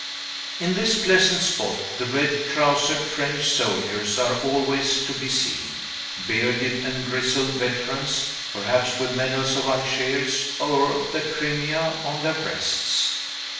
In this pleasant spot, the red trousered French soldiers are always to be seen; bearded and grizzled veterans, perhaps with medals of Algiers or the Crimea on their breasts.